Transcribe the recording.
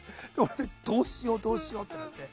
どうしよう、どうしようって。